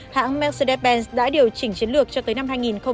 hãng mercedes benz đã điều chỉnh chiến lược cho tới năm hai nghìn ba mươi